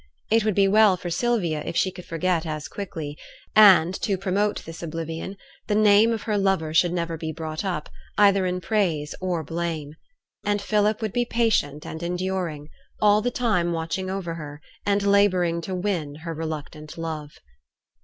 It would be well for Sylvia if she could forget as quickly; and, to promote this oblivion, the name of her lover should never be brought up, either in praise or blame. And Philip would be patient and enduring; all the time watching over her, and labouring to win her reluctant love.